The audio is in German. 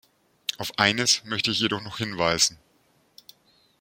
Auf eines möchte ich jedoch noch hinweisen.